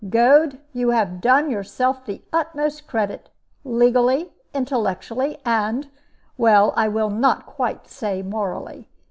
"Goad, you have done yourself the utmost credit, legally, intellectually, and well, I will not quite say morally.